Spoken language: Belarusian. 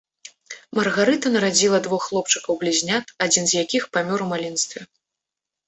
Маргарыта нарадзіла двух хлопчыкаў блізнят, адзін з якіх памёр у маленстве.